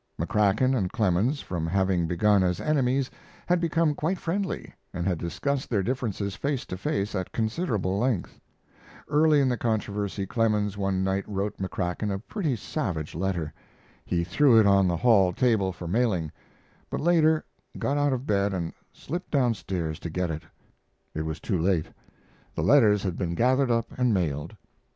McCrackan and Clemens, from having begun as enemies, had become quite friendly, and had discussed their differences face to face at considerable length. Early in the controversy Clemens one night wrote McCrackan a pretty savage letter. He threw it on the hall table for mailing, but later got out of bed and slipped down stairs to get it. It was too late the letters had been gathered up and mailed.